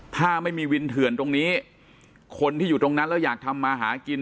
ถ้าไม่มีวินเถื่อนตรงนี้คนที่อยู่ตรงนั้นแล้วอยากทำมาหากิน